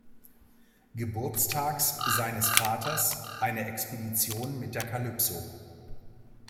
Geburtstags seines Vaters eine Expedition mit der "Calypso".